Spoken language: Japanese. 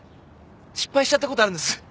失敗しちゃったことあるんです。